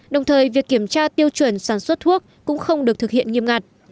đồng thời việc kiểm tra tiêu chuẩn sản xuất thuốc cũng không được thực hiện nghiêm ngặt